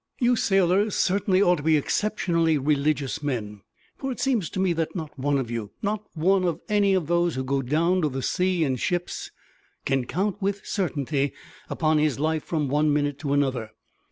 You sailors certainly ought to be exceptionally religious men, for it seems to me that not one of you not one of any of those who go down to the sea in ships can count with certainty upon his life from one minute to another.